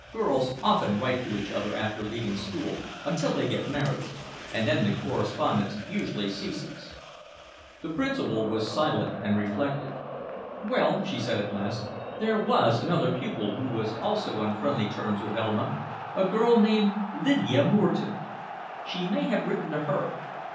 "Girls often write to each other after leaving school, until they get married, and then the correspondence usually ceases." The principal was silent and reflective. "Well," she said at last, "there was another pupil who was also on friendly terms with Elma a girl named Lydia Moreton. She may have written to her.